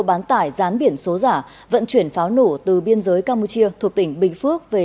bán tải rán biển số giả vận chuyển pháo nổ từ biên giới campuchia thuộc tỉnh bình phước về